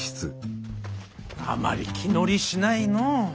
あまり気乗りしないのう。